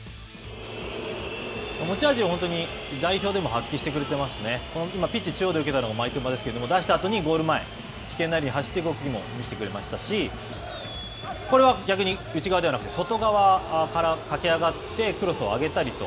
持ち味を本当に、代表でも発揮してくれていますし、今、ピッチ中央で受けたのが毎熊ですが、出したあとに、ゴール前、危険なエリアに走っていく動きも見せましたし、これは逆に、内側ではなくて、外側から駆け上がって、クロスを上げたりと。